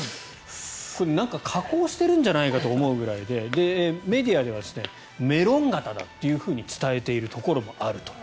なんか加工しているんじゃないかと思うくらいでメディアではメロン肩だというふうに伝えているところもあると。